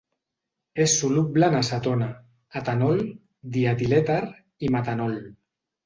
És soluble en acetona, etanol, dietilèter i metanol.